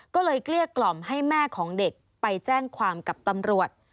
ก็เลยเกลี้ยกล่อมให้แม่ของเด็กไปแจ้งความกับตำรวจ